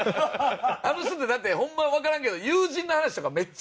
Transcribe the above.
あの人ってだってホンマはわからんけど友人の話とかめっちゃ出すやん。